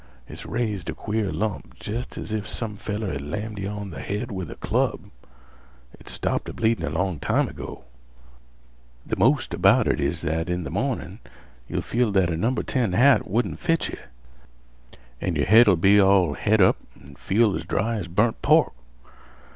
It's raised a queer lump jest as if some feller had lammed yeh on th' head with a club. It stopped a bleedin' long time ago. Th' most about it is that in th' mornin' yeh'll fell that a number ten hat wouldn't fit yeh. An' your head'll be all het up an' feel as dry as burnt pork.